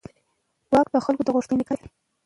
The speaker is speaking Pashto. واک د خلکو د غوښتنو انعکاس دی.